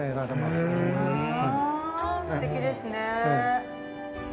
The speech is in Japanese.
すてきですね。